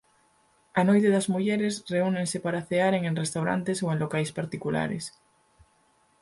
A noite das mulleres reúnense para cearen en restaurantes ou en locais particulares.